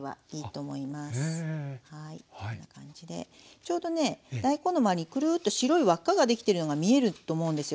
ちょうどね大根の周りにくるっと白い輪っかができているのが見えると思うんですよ